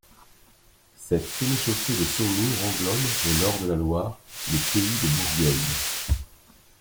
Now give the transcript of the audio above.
Cette sénéchaussée de Saumur englobe, au nord de la Loire, le pays de Bourgueil.